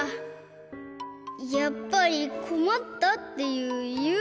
やっぱり「こまった」っていうゆうきがでないよ。